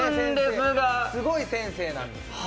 すごい先生なんです。